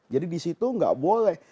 jadi disitu gak boleh